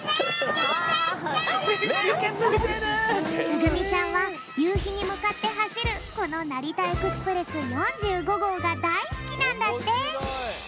つぐみちゃんはゆうひにむかってはしるこのなりたエクスプレス４５ごうがだいすきなんだって！